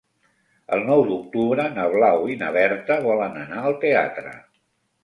El nou d'octubre na Blau i na Berta volen anar al teatre.